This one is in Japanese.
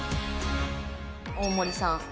大森さん。